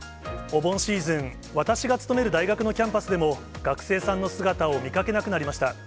お盆シーズン、私が勤める大学のキャンパスでも、学生さんの姿を見かけなくなりました。